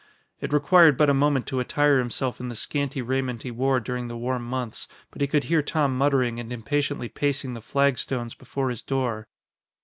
It required but a moment to attire himself in the scanty raiment he wore during the warm months, but he could hear Tom muttering and impatiently pacing the flagstones before his door.